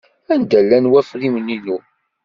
Anda llan wafriwen-inu?